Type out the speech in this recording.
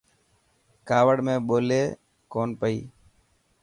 ڪاوڙ ۾ ٻولي ڪونه پئي.